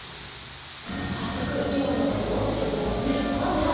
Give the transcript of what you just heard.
早速イオンのことを知るためにまずは実験をしてみよう！